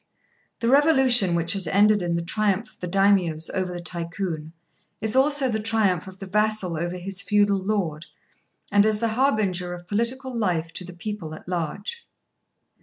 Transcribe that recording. The revolution which has ended in the triumph of the Daimios over the Tycoon, is also the triumph of the vassal over his feudal lord, and is the harbinger of political life to the people at large.